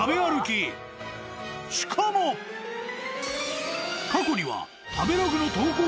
［しかも過去には］